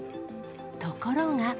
ところが。